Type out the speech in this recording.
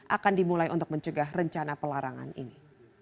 akan dimulai untuk mencegah rencana pelarangan ini